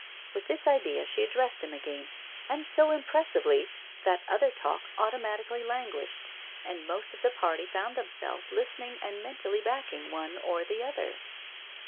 With this idea she addressed him again, and so impressively that other talk automatically lan guished, and most of the party found themselves lis tening and mentally backing one or the other.